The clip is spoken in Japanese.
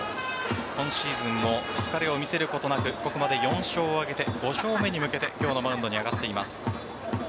今シーズンも疲れを見せることなくここまで４勝を挙げて５勝目に向けて今日のマウンドに上がっています。